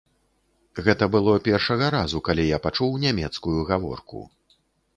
Гэта было першага разу, калі я пачуў нямецкую гаворку.